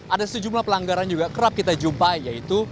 ada sejumlah pelanggaran juga kerap kita jumpai yaitu